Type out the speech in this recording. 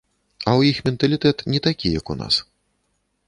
А ў іх менталітэт не такі, як у нас.